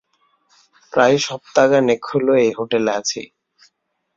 প্রায় সপ্তাহখানেক হল এই হোটেলে আছি।